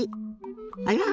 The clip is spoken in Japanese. あら？